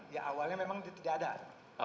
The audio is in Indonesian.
ya awalnya memang itu tidak ada